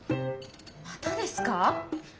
またですか？